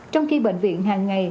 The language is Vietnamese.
trong khi bệnh viện hàng ngày